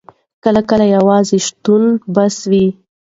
کله کله یوازې شتون بس وي.